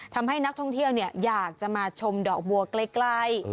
ทำให้นักท่องเที่ยวอยากจะมาชมดอกบัวใกล้